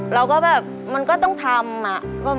เราก็แบบมันก็ต้องทำอะ